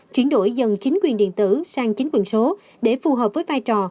chuyển đổi dần chính quyền điện tử sang chính quyền số để phù hợp với vai trò